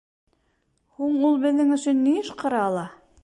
— Һуң ул беҙҙең өсөн ни эш ҡыра ала?